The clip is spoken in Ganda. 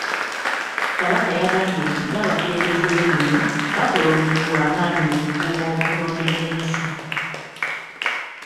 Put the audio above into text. Kabaka yagambye nti ng'abakulembeze b'ennono, bakola omulimu gw'amaanyi mu kukuuma obutonde bw'ensi.